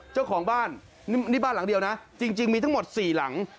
เจ้าของบ้านนี่บ้านหลังเดียวนะจริงมีทั้งหมด๔หลัง